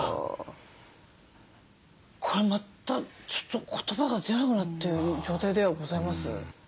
これまたちょっと言葉が出なくなってる状態ではございます。